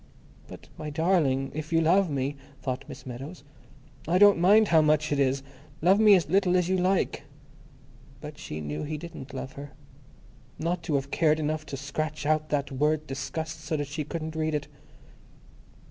"But, my darling, if you love me," thought Miss Meadows, "I don't mind how much it is. Love me as little as you like." But she knew he didn't love her. Not to have cared enough to scratch out that word "disgust," so that she couldn't read it!